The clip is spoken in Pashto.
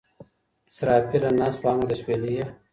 اسرافیله ناست په امر د شپېلۍ یې